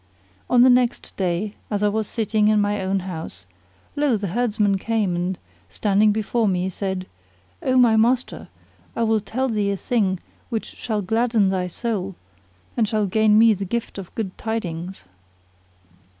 On the next day as I was sitting in my own house, lo! the herdsman came and, standing before me said, "O my master, I will tell thee a thing which shall gladden thy soul, and shall gain me the gift of good tidings."